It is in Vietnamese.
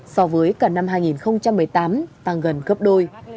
so với cả năm hai nghìn một mươi tám tăng gần gấp đôi